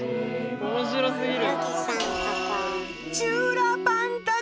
面白すぎる。